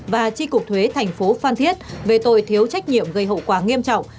và chi cục thuế tp phan thiết về tội thiếu trách nhiệm gây hậu quả nghiêm trọng